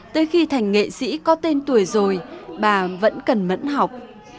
tới khi thành nghệ sĩ có tên tuổi rồi bà vẫn cần mẫn học